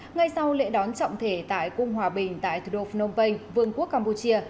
ngay sau lễ đón trọng thể tại cung hòa bình tại thủ đô phnom penh vương quốc campuchia